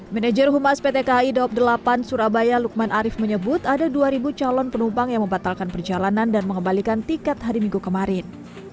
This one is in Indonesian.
manager humas pt kai daop delapan surabaya lukman arief menyebut ada dua calon penumpang yang membatalkan perjalanan dan mengembalikan tiket hari minggu kemarin